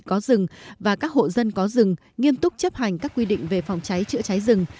có rừng và các hộ dân có rừng nghiêm túc chấp hành các quy định về phòng cháy chữa cháy rừng